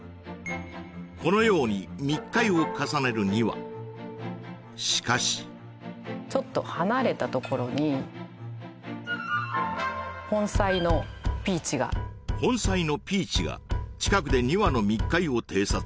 このように密会を重ねる２羽しかしちょっと離れた所に本妻のピーチが本妻のピーチが近くで２羽の密会を偵察